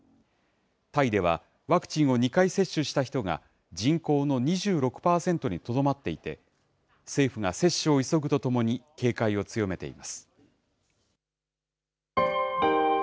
タイではワクチンを２回接種した人が人口の２６％にとどまっていて、政府が接種を急ぐとともに、警戒を強めています。